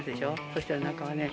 そしたら中はね